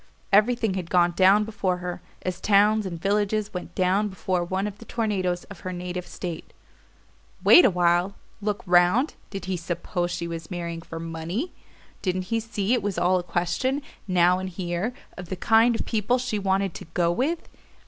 Everything had gone down before her, as towns and villages went down before one of the tornadoes of her native state. Wait awhile? Look round? Did he suppose she was marrying for MONEY? Didn't he see it was all a question, now and here, of the kind of people she wanted to "go with"?